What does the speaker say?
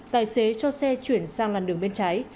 tài xế cho xe chuyển sang làn đường bên trái